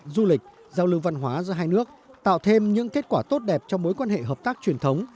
du lịch giao lưu văn hóa giữa hai nước tạo thêm những kết quả tốt đẹp trong mối quan hệ hợp tác truyền thống